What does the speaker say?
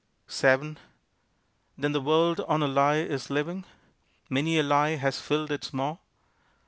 VII "Then the world on a lie is living?" Many a lie has filled its maw!